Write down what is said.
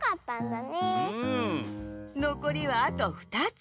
のこりはあと２つ。